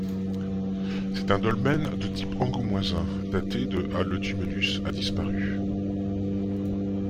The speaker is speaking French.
C'est un dolmen de type angoumoisin daté de à Le tumulus a disparu.